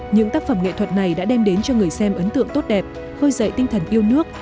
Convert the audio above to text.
những tác phẩm nghệ thuật này đã đem đến cho người xem ấn tượng tốt đẹp khơi dậy tinh thần yêu nước